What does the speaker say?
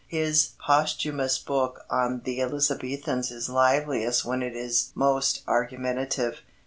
His posthumous book on the Elizabethans is liveliest when it is most argumentative.